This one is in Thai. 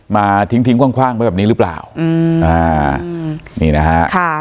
มาทิ้งคว่างไปแบบนี้หรือเปล่านี่นะครับ